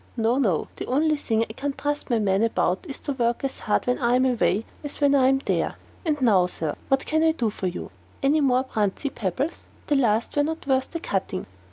No, no; the only thing I can't trust my men about is to work as hard when I am away as when I am there. And now, Sir, what can I do for you? Any more Bruntsea pebbles? The last were not worth the cutting."